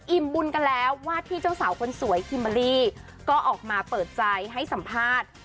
บุญกันแล้ววาดที่เจ้าสาวคนสวยคิมเบอร์รี่ก็ออกมาเปิดใจให้สัมภาษณ์